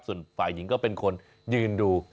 ส่วนฝ่ายหญิงก็เป็นคนยืนดู